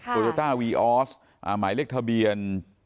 โตโยต้าวีออสหมายเลขทะเบียน